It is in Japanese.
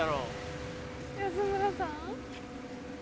安村さん？